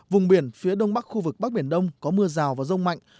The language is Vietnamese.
vùng biển phía đông bắc khu vực bắc biển đông có mưa rào và rông mạnh